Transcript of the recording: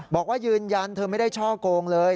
บอกว่ายืนยันเธอไม่ได้ช่อกงเลย